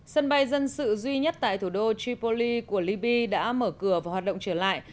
sân bay dân sự duy nhất tại thủ đô tripoli của liby đã mở cửa và hoạt động trở lại